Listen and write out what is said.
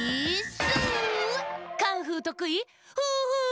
カンフーとくい。